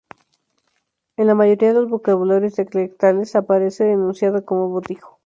En la mayoría de los vocabularios dialectales aparece enunciado como botijo.